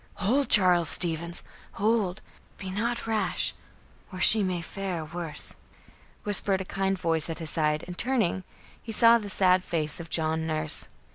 "Hold, Charles Stevens! Hold! Be not rash, or she may fare worse," whispered a kind voice at his side, and, turning, he saw the sad face of John Nurse.